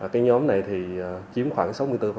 cái nhóm này thì chiếm khoảng sáu mươi bốn